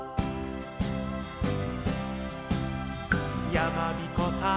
「やまびこさん」